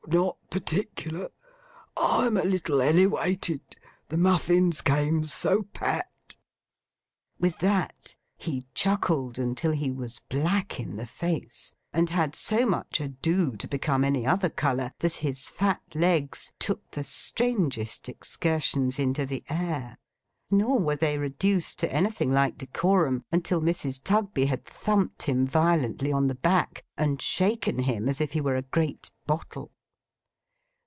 Not particular. I'm a little elewated. The muffins came so pat!' With that he chuckled until he was black in the face; and had so much ado to become any other colour, that his fat legs took the strangest excursions into the air. Nor were they reduced to anything like decorum until Mrs. Tugby had thumped him violently on the back, and shaken him as if he were a great bottle.